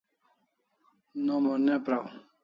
Nom o ne praw